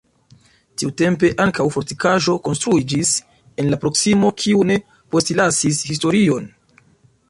Tiutempe ankaŭ fortikaĵo konstruiĝis en la proksimo, kiu ne postlasis historion.